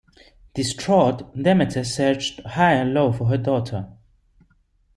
Distraught, Demeter searched high and low for her daughter.